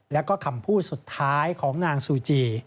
แล้วก็คำพูดสุดท้ายของนางซูจี